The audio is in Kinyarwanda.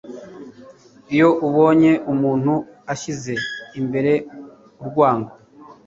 iyo ubonye umuntu ashyize imbere urwango